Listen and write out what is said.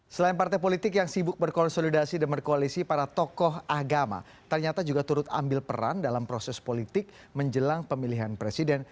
selain partai politik yang sibuk berkonsolidasi dan berkoalisi para tokoh agama ternyata juga turut ambil peran dalam proses politik menjelang pemilihan presiden